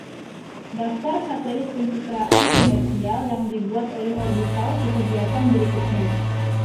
Daftar satelit pencitraan komersial yang dibuat oleh Orbital disediakan berikutnya.